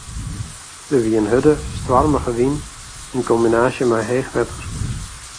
Der wie in hurde, stoarmige wyn yn kombinaasje mei heech wetter.